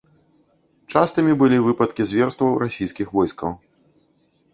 Частымі былі выпадкі зверстваў расійскіх войскаў.